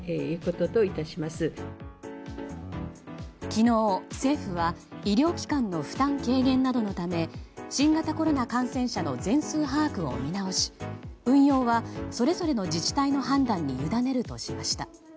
昨日、政府は医療機関の負担軽減などのため新型コロナ感染者の全数把握を見直し運用はそれぞれの自治体の判断にゆだねるとしました。